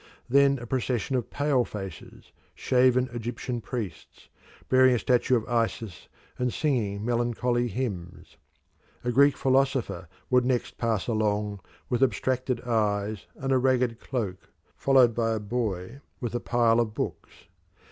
Then a procession of pale faces, shaven Egyptian priests, bearing a statue of Isis and singing melancholy hymns. A Greek philosopher would next pass along with abstracted eyes and ragged cloak, followed by a boy with a pile of books.